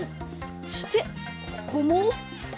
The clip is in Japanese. そしてここも。